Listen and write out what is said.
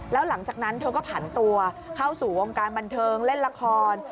แล้วหลังจากนั้นเธอก็ผันตัวเข้าสู่วงการบันเทิงเล่นละคร